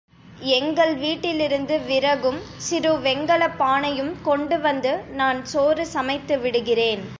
எங்கள் வீட்டிலிருந்து விறகும் சிறு வெங்கலப்பானையும் கொண்டு வந்து, நான் சோறு சமைத்து விடுகிறேன்.